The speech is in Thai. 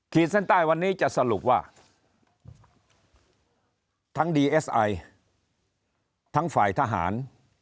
เส้นใต้วันนี้จะสรุปว่าทั้งดีเอสไอทั้งฝ่ายทหาร